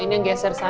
ini yang geser sana